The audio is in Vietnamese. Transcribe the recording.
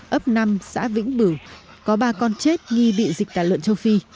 ấp năm xã vĩnh bửu có ba con chết nghi bị dịch tả lợn châu phi